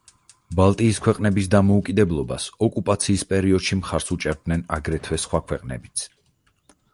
ბალტიის ქვეყნების დამოუკიდებლობას ოკუპაციის პერიოდში მხარს უჭერდნენ აგრეთვე სხვა ქვეყნებიც.